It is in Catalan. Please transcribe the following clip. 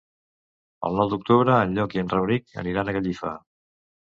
El nou d'octubre en Llop i en Rauric aniran a Gallifa.